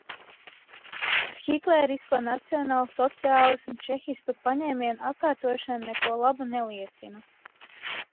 Par Hitlerisko nacionālsociālismu, čekistu paņēmienu atkārtošana, neko labu neliecina.